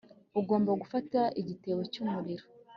Ugomba gufata igitebo cyumuriro